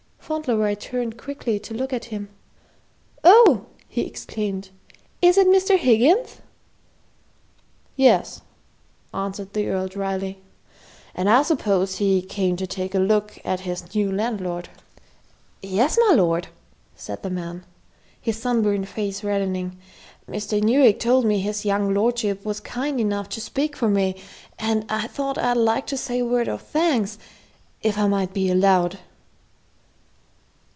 Fauntleroy turned quickly to look at him. "Oh!" he exclaimed, "is it Mr. Higgins?" "Yes," answered the Earl dryly; "and I suppose he came to take a look at his new landlord." "Yes, my lord," said the man, his sunburned face reddening. "Mr. Newick told me his young lordship was kind enough to speak for me, and I thought I'd like to say a word of thanks, if I might be allowed."